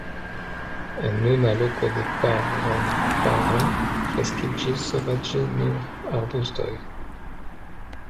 En nuna loko de Parepare kreskiĝis sovaĝe nur arbustoj.